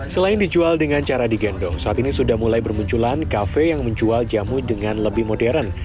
selain dijual dengan cara digendong saat ini sudah mulai bermunculan kafe yang menjual jamu dengan lebih modern